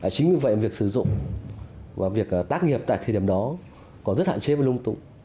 chính vì vậy việc sử dụng và việc tác nghiệp tại thời điểm đó còn rất hạn chế và lung túng